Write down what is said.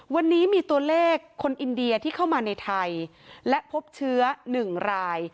วันนี้มีตัวเลขคนอินเดียที่เข้ามาในไทยและพบเชื้อ๑ราย